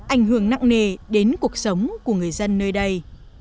ảnh hưởng nặng nề đến cuộc sống của người dân nơi đây